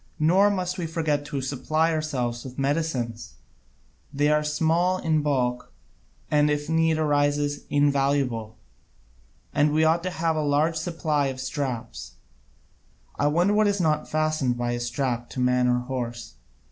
Nor must we forget to supply ourselves with medicines they are small in bulk and, if need arises, invaluable. And we ought to have a large supply of straps I wonder what is not fastened by a strap to man or horse?